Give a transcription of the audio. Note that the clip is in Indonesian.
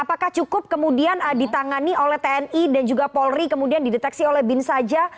apakah cukup kemudian ditangani oleh tni dan juga polri kemudian dideteksi oleh bin saja